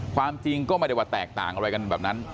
ความจริงก็ไม่ได้ว่าแตกต่างอะไรกันแบบนั้น